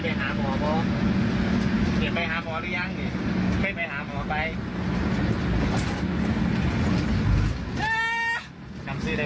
เธอสงสัยอยากถูกทำร้ายไปตรงทางนี้นี่เพียงคนที่มาได้